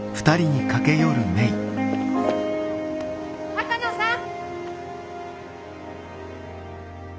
鷹野さん！